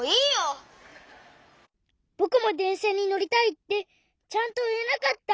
「ぼくもでんしゃにのりたい」ってちゃんといえなかった。